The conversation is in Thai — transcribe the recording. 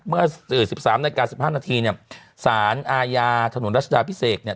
เมื่อ๑๓นาฬิกา๑๕นาทีเนี่ยสารอาญาถนนรัชดาพิเศษเนี่ย